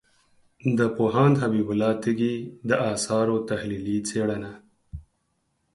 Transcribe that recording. د پوهاند حبیب الله تږي د آثارو تحلیلي څېړنه